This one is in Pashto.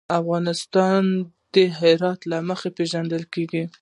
افغانستان د هرات له مخې پېژندل کېږي.